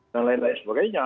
dan lain lain sebagainya